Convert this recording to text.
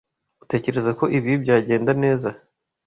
Utekereza ko ibi byagenda neza?